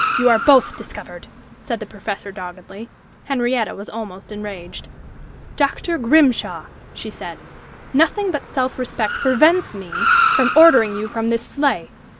You are both discovered!" said the professor, doggedly. Henrietta was almost enraged. "Dr. Grimshaw," she said, "nothing but self respect prevents me from ordering you from this sleigh!"